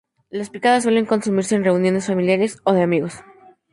Las picadas suelen consumirse en reuniones familiares o de amigos.